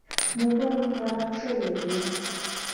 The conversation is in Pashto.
موټر مې خراب شوی دی.